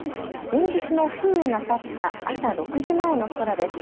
前日の風雨が去った朝６時前の空です。